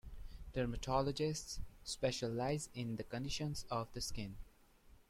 Dermatologists specialise in the conditions of the skin.